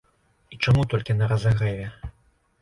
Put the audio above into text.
І чаму толькі на разагрэве?